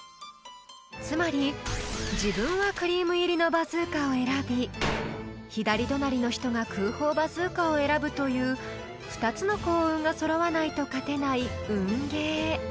［つまり自分はクリーム入りのバズーカを選び左隣の人が空砲バズーカを選ぶという２つの幸運が揃わないと勝てない運ゲー］